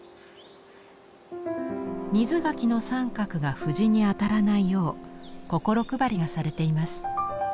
瑞垣の三角が藤に当たらないよう心配りがされています。